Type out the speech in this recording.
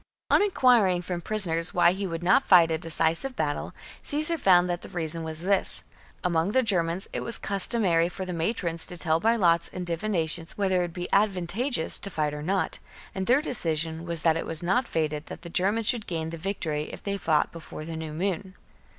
On inquiring from prisoners why he would not fight a decisive battle, Caesar found that the reason was this :— among the Germans it was customary for the matrons to tell by lots and divinations whether it would be advantageous to fight or not, and their decision was that it was not fated that the Germans should gain the victory if they fought before the new moon.